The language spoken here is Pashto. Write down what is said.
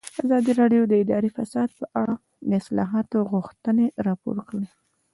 ازادي راډیو د اداري فساد په اړه د اصلاحاتو غوښتنې راپور کړې.